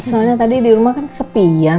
soalnya tadi di rumah kan sepian